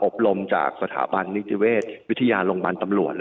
อบรมจากสถาบันนิตเวศวิทยาลงบันตำรวจ